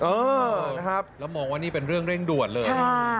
เออนะครับแล้วมองว่านี่เป็นเรื่องเร่งด่วนเลย